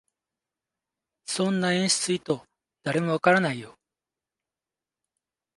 そんな演出意図、誰もわからないよ